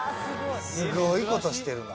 すごいことしてるな。